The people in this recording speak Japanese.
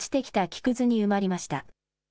木くずに埋まりました。